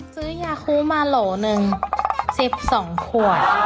ซื้อยาคุมาโหล๑เสียบ๒ขวด